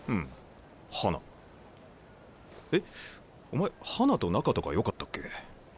お前花と仲とかよかったっけ？